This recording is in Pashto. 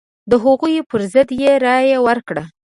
د هغوی پر ضد یې رايه ورکړه.